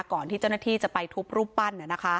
ก่อนที่เจ้าหน้าที่จะไปทุบรูปปั้น